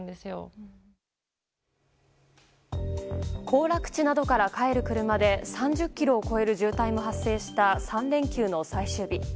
行楽地などから帰る車で３０ｋｍを超える渋滞も発生した３連休の最終日。